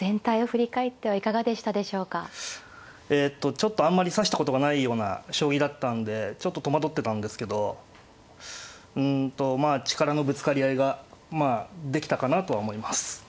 ちょっとあんまり指したことがないような将棋だったんでちょっと戸惑ってたんですけどうんとまあ力のぶつかり合いがまあできたかなとは思います。